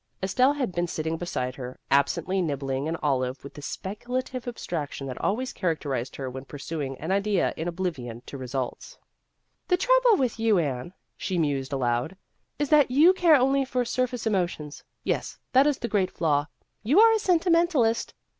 Estelle had been sitting beside her, absently nibbling an olive with the speculative abstraction that always characterized her when pursuing an idea in oblivion to results. " The trouble with you, Anne," she mused aloud, " is that you care only for surface emo A Case of Incompatibility 133 tions. Yes, that is the great flaw you are a sentimentalist."